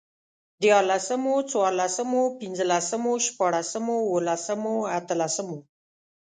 ديارلسمو، څوارلسمو، پنځلسمو، شپاړسمو، اوولسمو، اتلسمو